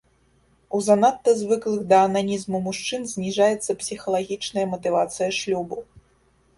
У занадта звыклых да ананізму мужчын зніжаецца псіхалагічная матывацыя шлюбу.